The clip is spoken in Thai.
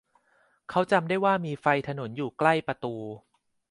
เขาจำได้ว่ามีไฟถนนอยู่ใกล้ประตู